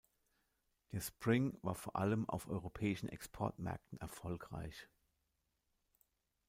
Der Spring war vor allem auf europäischen Exportmärkten erfolgreich.